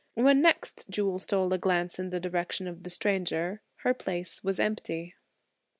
When next Jewel stole a glance in the direction of the stranger her place was empty.